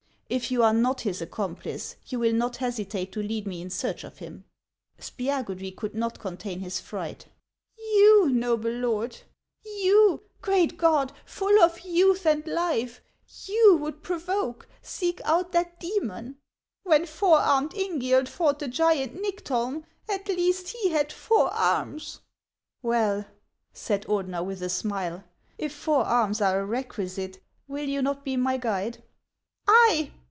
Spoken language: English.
If you are not his accomplice, you will not hesitate to lead me in search of him !" Spiagudry could not contain his fright. HANS OF ICELAND. 93 " You, noble lord ! you, — great God ! full of youth and life, — you would provoke, seek out that demon ! When four armed Ingiald fought the giant Nyctolm, at least, he had four arms !"" Well," said Ordener, with a smile, " if four arms are a requisite, will you not be my guide ?"" I